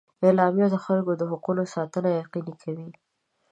اعلامیه د خلکو د حقونو ساتنه یقیني کوي.